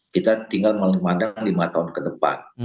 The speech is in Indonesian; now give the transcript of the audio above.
kita tinggal memandang lima tahun ke depan